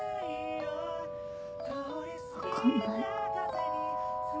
分かんない。